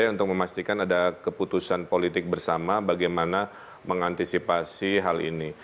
untuk memastikan ada keputusan politik bersama bagaimana mengantisipasi hal ini